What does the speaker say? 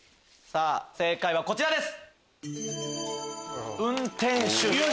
正解はこちらです。